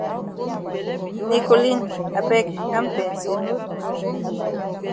Nicoline I beg kam pensay me.